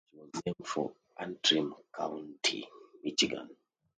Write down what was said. She was named for Antrim County, Michigan.